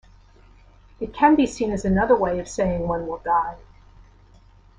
It can be seen as another way of saying one will die.